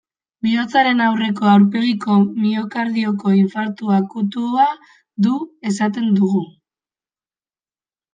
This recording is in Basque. Bihotzaren aurreko aurpegiko miokardioko infartu akutua du, esaten dugu.